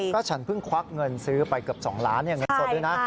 ก็ฉันเพิ่งควักเงินซื้อไปกับ๒ล้านเนี่ยเงินสดเลยนะ